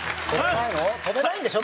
飛べないんでしょ？